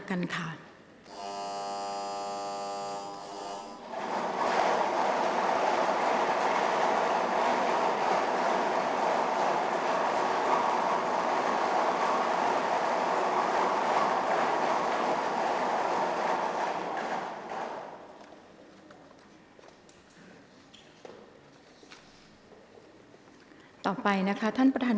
กรรมการท่านที่ห้าได้แก่กรรมการใหม่เลขเก้า